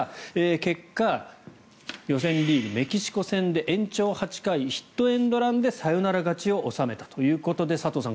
結果、予選リーグメキシコ戦で延長８回ヒットエンドランでサヨナラ勝ちを収めたということで佐藤さん